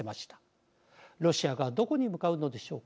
ロシアがどこに向かうのでしょうか。